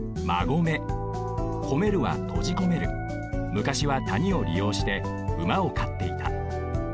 むかしはたにをりようして馬をかっていた。